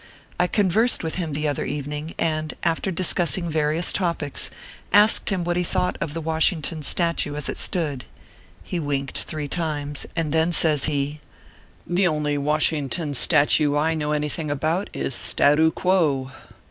I conversed with him the other evening, and, after discussing va rious topics, asked him what he thought of the Wash ington statue as it stood ? He winked three times, and then says he :" The only Washington statue I know anything about, is statu quo."